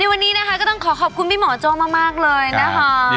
วันนี้นะคะก็ต้องขอขอบคุณพี่หมอโจ้มากเลยนะคะ